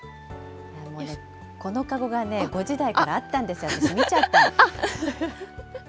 この籠がね、５時台からあったんです、私、見ちゃったの。